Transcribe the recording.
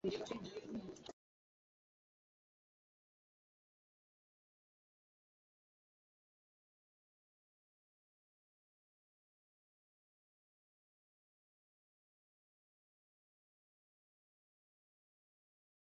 Imibereho yabo y’iby’umwuka n’imbaraga byari bishingiye ku kuba bari bunze ubumwe